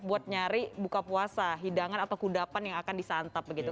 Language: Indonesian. buat nyari buka puasa hidangan atau kudapan yang akan disantap begitu